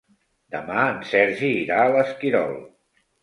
Demà en Sergi irà a l'Esquirol.